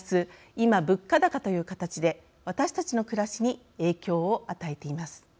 今物価高という形で私たちの暮らしに影響を与えています。